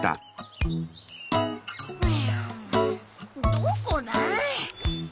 どこだあ。